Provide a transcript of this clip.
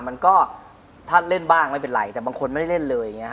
มันก็ถ้าเล่นบ้างไม่เป็นไรแต่บางคนไม่ได้เล่นเลยอย่างนี้